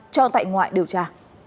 cho tại ngoại điều tra